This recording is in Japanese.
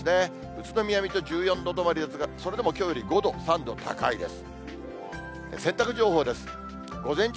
宇都宮、水戸１４度止まりですが、それでもきょうより５度、３度高いです。